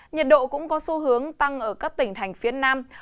nhiệt độ cũng có xu hướng tăng ở các tỉnh thành phía nam